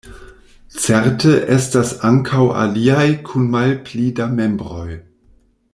Certe estas ankaŭ aliaj, kun malpli da membroj.